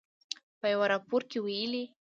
په یوه راپور کې ویلي